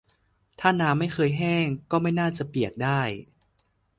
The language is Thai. ถ้าน้ำไม่เคยแห้ง ก็ไม่น่าจะเปียกได้